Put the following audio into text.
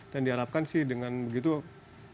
dan diharapkan sih dengan begitu akan lebih mudah